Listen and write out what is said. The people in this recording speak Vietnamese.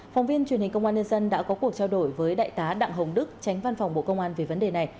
phóng viên truyền hình công an nhân dân đã có cuộc trao đổi với đại tá đặng hồng đức tránh văn phòng bộ công an về vấn đề này